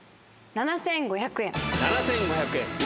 ７５００円。